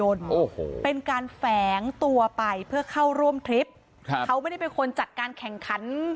โอ้โหเป็นการแฝงตัวไปเพื่อเข้าร่วมทริปครับเขาไม่ได้เป็นคนจัดการแข่งขัน